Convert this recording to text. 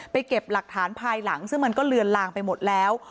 เก็บหลักฐานภายหลังซึ่งมันก็เลือนลางไปหมดแล้ว